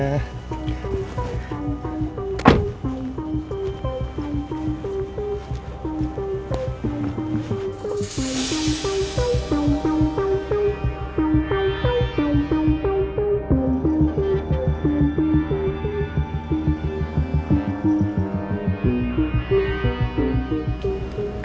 aku pakai safety beltnya